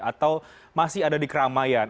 atau masih ada di keramaian